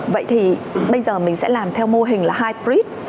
vậy thì bây giờ mình sẽ làm theo mô hình là hydrop